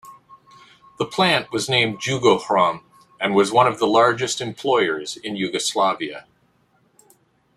The plant was named "Jugohrom", and was one of the largest employers in Yugoslavia.